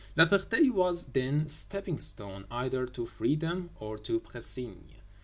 La Ferté was, then, a stepping stone either to freedom or to Précigne.